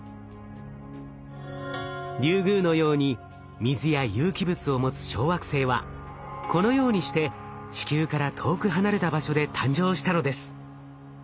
リュウグウのように水や有機物を持つ小惑星はこのようにして地球から遠く離れた場所で誕生したのです。